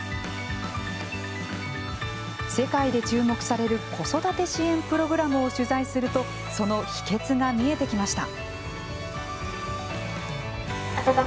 世界で注目される子育て支援プログラムを取材するとその秘けつが見えてきました。